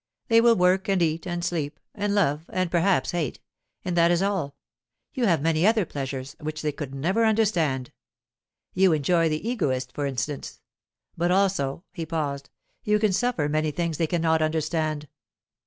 They will work and eat and sleep, and love and perhaps hate, and that is all. You have many other pleasures which they could never understand. You enjoy the Egoist, for instance. But also'—he paused—'you can suffer many things they cannot understand.